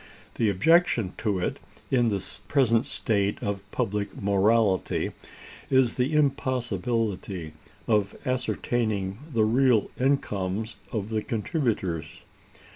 The objection to it, in the present state of public morality, is the impossibility of ascertaining the real incomes of the contributors.